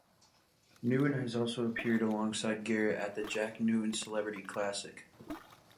Newton has also appeared alongside Garrett at the Jack Newton Celebrity Classic.